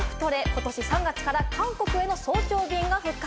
今年３月から韓国への早朝便が復活。